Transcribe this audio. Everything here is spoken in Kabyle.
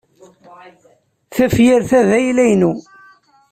Tafyirt-a d ayla-inu.